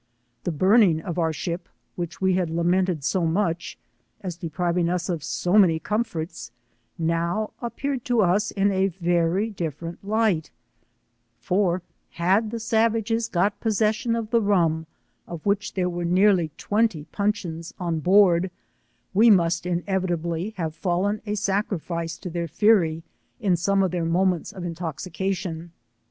Ti}e burning of our ship, which we had lamented so much, as depriving us of so many comfoits, now appeared to us in a very different light, for had the savages got pos session of the rum, of which there were nearly 4D twenty puachtous 6a board, we must inevitably have fallen a sacrifice lo their fury in some of their moments of intoxicatiou.